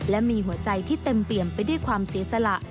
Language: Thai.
และมีหัวใจที่เต็มเปี่ยมไปด้วยความเสียสละ